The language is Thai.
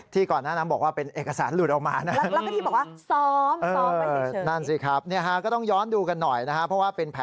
ที่ก่อนหน้าน้ำบอกว่าเป็นเอกสารหลุดออกมานะ